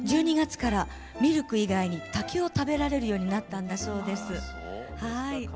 １２月からミルク以外に竹を食べられるようになったんだそうです。